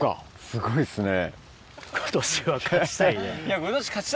すごいっすね。